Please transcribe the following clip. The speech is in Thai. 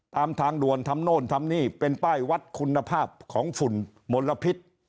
ตามทางด่วนทำโน่นทำนี่เป็นป้ายวัดคุณภาพของฝุ่นมลพิษ